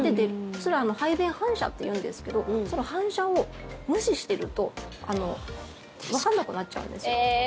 それ、排便反射というんですけど反射を無視しているとわからなくなっちゃうんですよ。